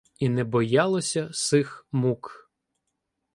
І не боялося сих мук.